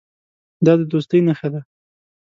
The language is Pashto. دا د دوستۍ نښه ده.